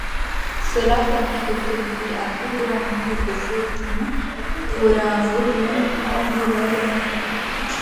Cela permet d'obtenir un plus grand nombre de photons pour un volume angulaire moindre.